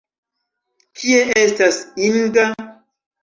Kie estas Inga?